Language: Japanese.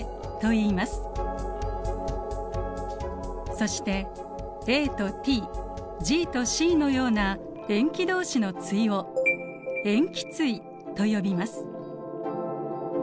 そしてＡとＴＧとＣのような塩基どうしの対を塩基対と呼びます。